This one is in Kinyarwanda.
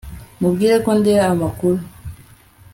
Mubwire ko ndeba amakuru